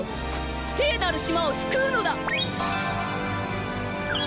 聖なる島を救うのだ！